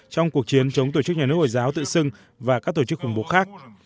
trong cuộc chiến chống tổ chức nhà nước hồi giáo tự xưng và các tổ chức khủng bố khác